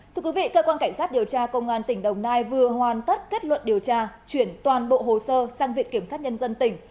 thưa quý vị cơ quan cảnh sát điều tra công an tỉnh đồng nai vừa hoàn tất kết luận điều tra chuyển toàn bộ hồ sơ sang viện kiểm sát nhân dân tỉnh